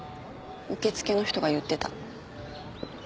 受付の人が言ってた。